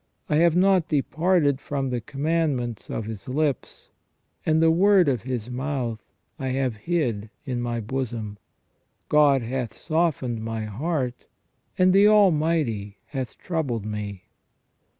I have not departed from the commandments of His lips : and the word of His mouth I have hid in my bosom. ... God hath softened my heart, and the Almighty hath troubled me."